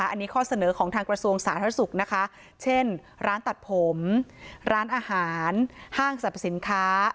อันนี้ข้อเสนอของทางกระทรวงสาธารณสุขนะคะเช่นร้านตัดผมร้านอาหารห้างสรรพสินค้า